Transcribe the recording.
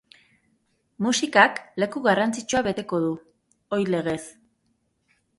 Musikak leku garrantzitsua beteko du, ohi legez.